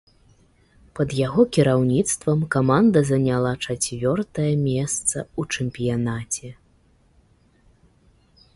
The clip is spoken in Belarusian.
Пад яго кіраўніцтвам каманда заняла чацвёртае месца ў чэмпіянаце.